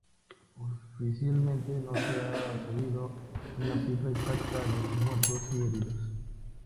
Oficialmente no se ha sabido una cifra exacta de muertos y heridos.